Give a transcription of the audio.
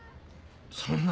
そんな。